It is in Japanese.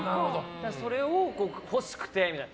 それを欲しくてみたいな。